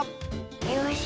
よし。